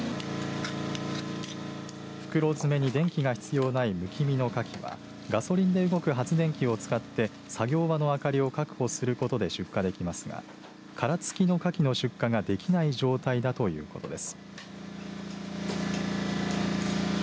袋詰めに電気が必要ないむき身のかきはガソリンで動く発電機を使って作業場の明かりを確保することで出荷できますが殻付きのかきの出荷ができない状態だということです。